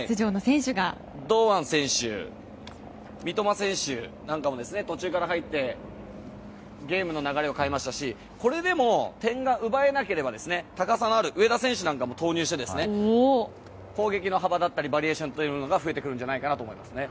堂安選手、三笘選手なんかも途中から入ってゲームの流れを変えましたしこれでも点が奪えなければ高さのある上田選手なんかも投入して、攻撃の幅だったりバリエーションが増えてくるんじゃないかと思いますね。